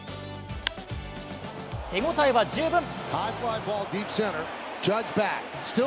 手応えは十分。